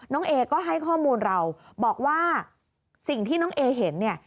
น้องเอก็ให้ข้อมูลเราบอกว่าสิ่งที่น้องเอเห็น